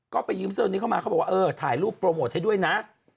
ก็ไปยืมเสื้อนี้เข้ามาเขาบอกว่าเออถ่ายรูปโปรโมทให้ด้วยนะ